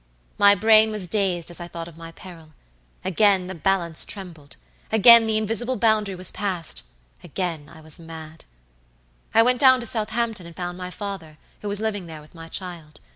"My brain was dazed as I thought of my peril. Again the balance trembled, again the invisible boundary was passed, again I was mad. "I went down to Southampton and found my father, who was living there with my child.